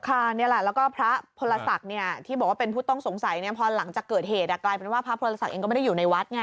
นี่แหละแล้วก็พระพลศักดิ์ที่บอกว่าเป็นผู้ต้องสงสัยเนี่ยพอหลังจากเกิดเหตุกลายเป็นว่าพระพรศักดิ์เองก็ไม่ได้อยู่ในวัดไง